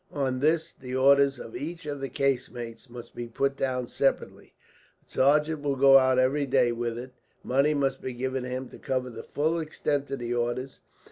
On this the orders of each of the casemates must be put down separately. A sergeant will go out every day with it. Money must be given to him to cover the full extent of the orders.